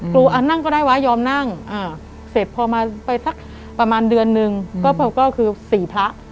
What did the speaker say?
นั่งก็ได้วะยอมนั่งเสร็จพอมาไปสักประมาณเดือนนึงก็คือสี่พระ